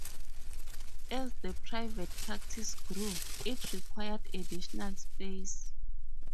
As the private practice grew, it required additional space.